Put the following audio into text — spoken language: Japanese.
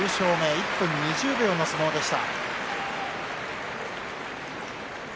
１分２０秒の相撲でした。